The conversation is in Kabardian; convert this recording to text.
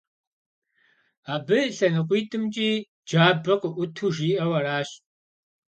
Абы лъэныкъуитӀымкӀи джабэ къыӀуту жиӀэу аращ.